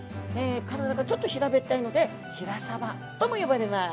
体がちょっと平べったいので平さばとも呼ばれます。